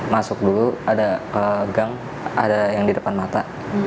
masuk dulu ada gang ada yang di depan mata